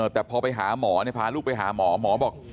แต่พอไปหาหมอพาลูกไปหาหมอหมอบอก